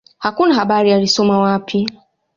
Hakuna habari alisoma wapi.